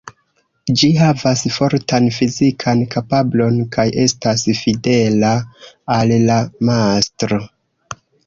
Ĝi havas fortan fizikan kapablon kaj estas fidela al la mastro.